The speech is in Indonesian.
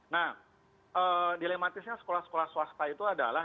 nah dilematisnya sekolah sekolah swasta itu adalah